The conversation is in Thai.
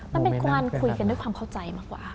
มันเป็นการคุยกันด้วยความเข้าใจมากกว่า